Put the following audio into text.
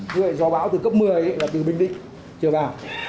với gió bão từ cấp một mươi là từ bình định trở vào